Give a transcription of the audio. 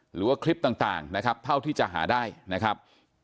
หรือว่าคลิปต่างนะครับเท่าที่จะหาได้นะครับ